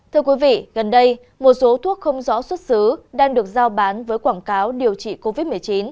thưa quý vị gần đây một số thuốc không rõ xuất xứ đang được giao bán với quảng cáo điều trị covid một mươi chín